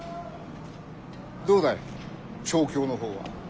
どうだい調教の方は？